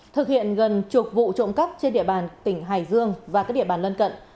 thực hiện gần chục vụ trộm cắp trên địa bàn tỉnh hải dương và các địa bàn lân cận